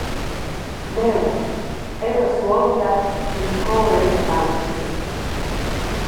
«Neu», Emma suonda, il cor ellas caultschas.